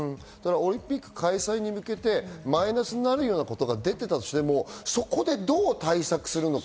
オリンピック開催に向けて、マイナスとなることが出てたとしても、どう対策するのか。